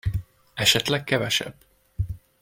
Esetleg kevesebb.